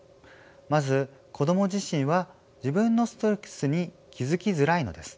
まず子ども自身は自分のストレスに気付きづらいのです。